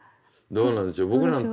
どうなんでしょう